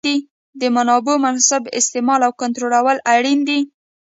د منابعو مناسب استعمال او کنټرولول اړین دي.